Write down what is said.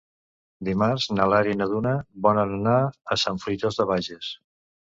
Dimarts na Lara i na Duna volen anar a Sant Fruitós de Bages.